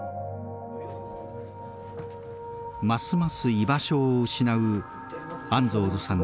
ますます居場所を失うアンゾールさん